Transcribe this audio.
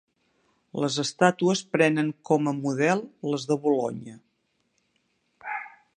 Les estàtues prenen com a model les de Bolonya.